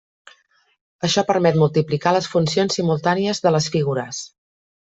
Això permet multiplicar les funcions simultànies de les figures.